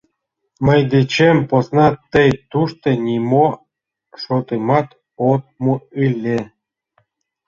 — Мый дечем посна тый тушто нимо шотымат от му ыле.